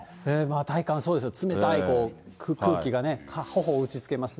体感、そうですよ、冷たい空気がね、ほほを打ちつけますね。